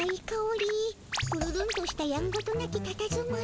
ぷるるんとしたやんごとなきたたずまい。